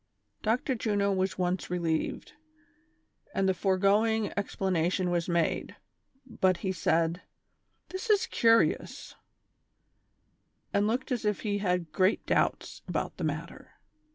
Dr. Juno was at once relieved, and the foregoing expla nation was made ; but he said :" That is curious," and looked as if he had great doubts about the matter.